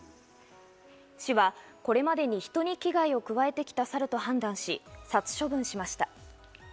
市は、これまでに人に危害を加えてきたサルと判断し、殺処分しました。